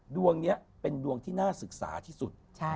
ดวงนี้เป็นดวงที่น่าศึกษาที่สุด